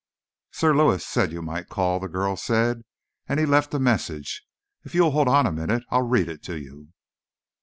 "Sir Lewis said you might call," the girl said, "and he left a message. If you'll hold on a minute I'll read it to you."